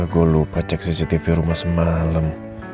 gue lupa cek cctv rumah semalam